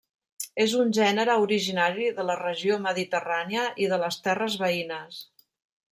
És un gènere originari de la regió mediterrània i de les terres veïnes.